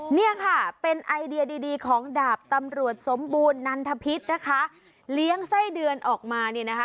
เนี่ยค่ะเป็นไอเดียดีดีของดาบตำรวจสมบูรณ์นันทพิษนะคะเลี้ยงไส้เดือนออกมาเนี่ยนะคะ